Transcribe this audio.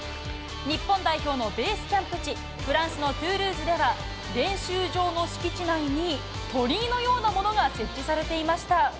日本代表のベースキャンプ地、フランスのトゥールーズでは、練習場の敷地内に、鳥居のようなものが設置されていました。